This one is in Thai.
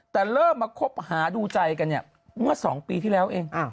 แต่เริ่มมาคบหาดูใจกันเนี่ยเมื่อ๒ปีที่แล้วเอง